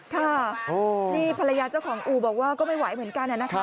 ค่ะนี่ภรรยาเจ้าของอู่บอกว่าก็ไม่ไหวเหมือนกันนะคะ